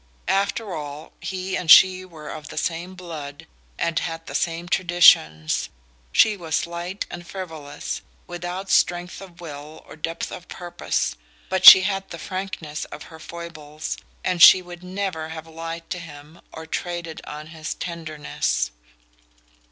After all, he and she were of the same blood and had the same traditions. She was light and frivolous, without strength of will or depth of purpose; but she had the frankness of her foibles, and she would never have lied to him or traded on his tenderness.